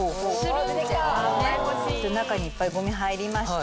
中にいっぱいゴミ入りました。